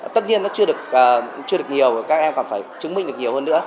tất nhiên nó chưa được nhiều các em còn phải chứng minh được nhiều hơn nữa